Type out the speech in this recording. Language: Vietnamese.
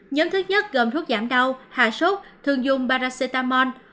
nhóm thứ nhất gồm thuốc giảm đau hạ sốt thường dùng baracetamol